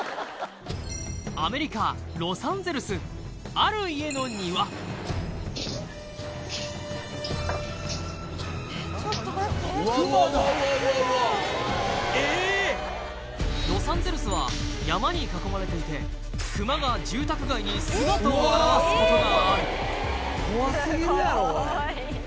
ある家のロサンゼルスは山に囲まれていてクマが住宅街に姿を現すことがある